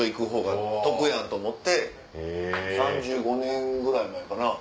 ３５年ぐらい前かな。